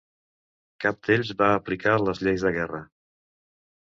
Cap d'ells va aplicar les lleis de guerra.